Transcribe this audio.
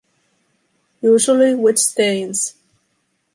Usually with stains.